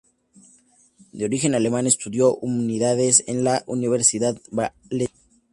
De origen alemán estudió Humanidades en la Universidad de Valencia.